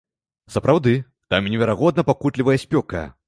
Сапраўды, там неверагодна пакутлівая спёка.